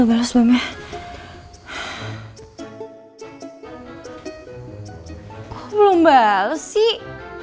aku belum bales sih